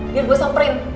biar gue samperin